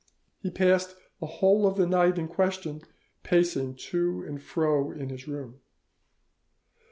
He passed the whole of the night in question pacing to and fro in his room.